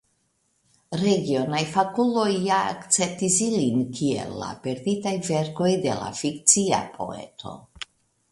Regionaj fakuloj ja akceptis ilin kiel la perditaj verkoj de la fikcia poeto.